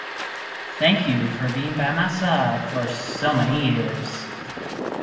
Thank you for being by my side for so many years.